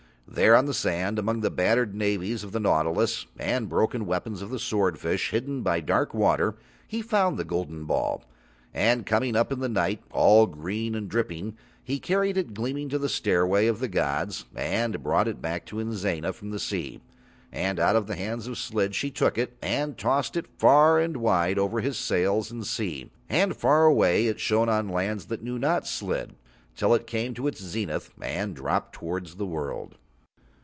There on the sand, among the battered navies of the nautilus and broken weapons of the swordfish, hidden by dark water, he found the golden ball. And coming up in the night, all green and dripping, he carried it gleaming to the stairway of the gods and brought it back to Inzana from the sea; and out of the hands of Slid she took it and tossed it far and wide over his sails and sea, and far away it shone on lands that knew not Slid, till it came to its zenith and dropped towards the world.